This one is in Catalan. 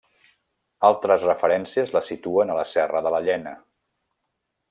Altres referències la situen a la Serra de la Llena.